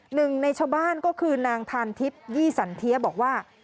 หนึ่งในชาวบ้านก็คือนางทานทิพย์ยี่สันเทียบอกว่า